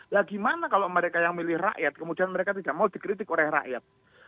lah gimana kalau mereka yang milih rakyat kemudian mereka tidak mau dikritik oleh rakyat